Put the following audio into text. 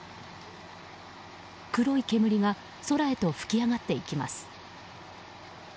黒い煙が空へと噴き上がっていきます。